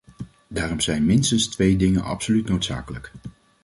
Daarom zijn minstens twee dingen absoluut noodzakelijk.